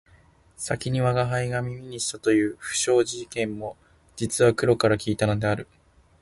先に吾輩が耳にしたという不徳事件も実は黒から聞いたのである